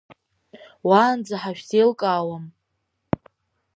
Уаанӡа ҳашәзеилкаауам!